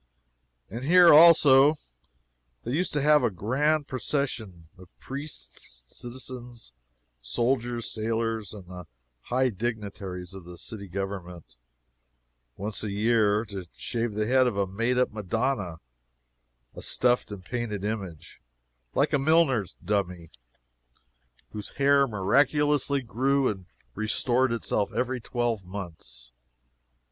And here, also, they used to have a grand procession, of priests, citizens, soldiers, sailors, and the high dignitaries of the City Government, once a year, to shave the head of a made up Madonna a stuffed and painted image, like a milliner's dummy whose hair miraculously grew and restored itself every twelve months.